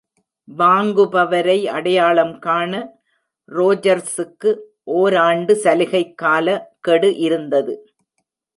வாங்குபவரை அடையாளம் காண ரோஜர்சுக்கு ஓராண்டு சலுகைக் காலக் கெடு இருந்தது.